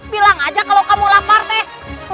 bilang aja kalau kamu lapar teh